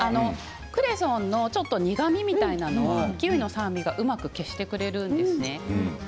クレソンのちょっと苦味みたいなものは、キウイの酸味がうまく消してくれるんですね。